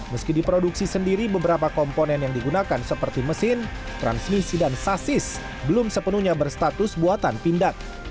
meski diproduksi sendiri beberapa komponen yang digunakan seperti mesin transmisi dan sasis belum sepenuhnya berstatus buatan pindad